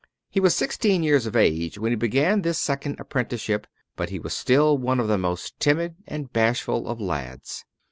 He was sixteen years of age when he began this second apprenticeship; but he was still one of the most timid and bashful of lads.